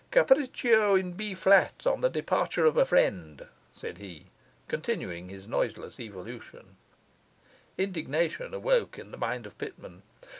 'Capriccio in B flat on the departure of a friend,' said he, continuing his noiseless evolutions. Indignation awoke in the mind of Pitman.